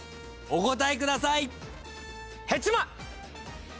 お答えください。